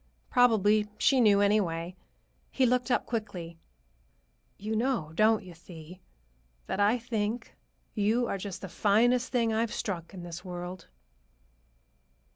Probably she knew, anyway. He looked up quickly. "You know, don't you, Thee, that I think you are just the finest thing I've struck in this world?"